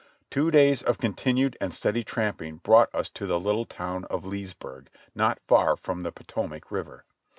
Two days of continued and steady tramping brought us to the little town of Leesburg , not far from the Potomac River.